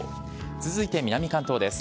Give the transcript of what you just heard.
続いて、南関東です。